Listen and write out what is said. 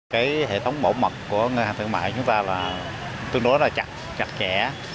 cái hệ thống bảo mật của ngân hàng thương mại chúng ta là tương đối là chặt chặt chẽ